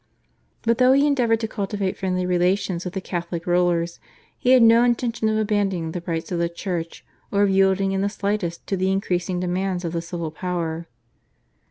But though he endeavoured to cultivate friendly relations with the Catholic rulers he had no intention of abandoning the rights of the Church or of yielding in the slightest to the increasing demands of the civil power.